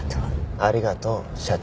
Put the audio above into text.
ありがとう社長。